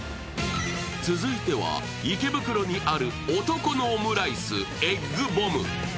続いては、池袋にある男のオムライスＥＧＧＢＯＭＢ。